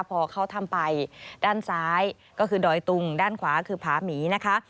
พอเข้าถ้ำไปด้านซ้ายก็คือดอยตุงด้านขวาคือผาหมีนะคะ